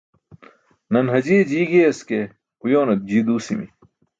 Nan Hajiye ji giyas ke uyoone jii duusimi.